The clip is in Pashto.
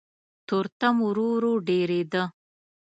تورتم ورو ورو ډېرېده.